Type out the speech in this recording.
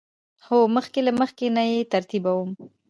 هو، مخکې له مخکی نه یی ترتیبوم